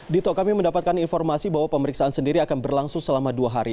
dito kami mendapatkan informasi bahwa pemeriksaan sendiri akan berlangsung selama dua hari